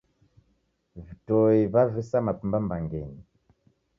Vitoi w'avisa mapemba mbangenyi